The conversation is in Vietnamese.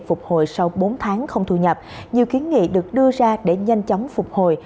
phục hồi sau bốn tháng không thu nhập nhiều kiến nghị được đưa ra để nhanh chóng phục hồi